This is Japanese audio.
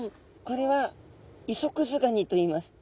これはイソクズガニといいます。